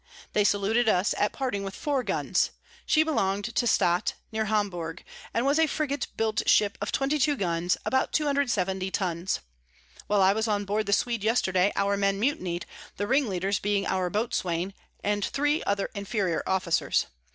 They saluted us at parting with four Guns: She belong'd to Stadt near Hamburg, and was a Frigate built Ship of 22 Guns, about 270 Tuns. While I was on board the Swede yesterday, our Men mutiny'd, the Ringleaders being our Boatswain, and three other inferior Officers.